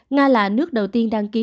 nga là nước đầu tiên đăng ký